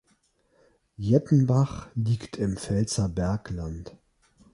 Jettenbach liegt im Pfälzer Bergland.